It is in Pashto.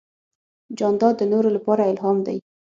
جانداد د نورو لپاره الهام دی.